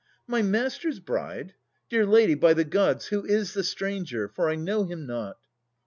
My master's bride! Dear lady, by the Gods, Who is the stranger? for I know him not.